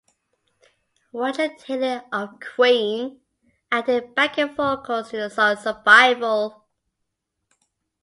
Roger Taylor of Queen added backing vocals to the song "Survival".